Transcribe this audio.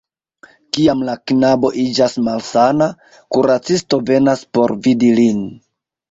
Kiam la knabo iĝas malsana, kuracisto venas por vidi lin.